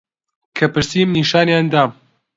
کە پرسیم نیشانیان دام